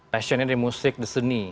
passionnya di musik di seni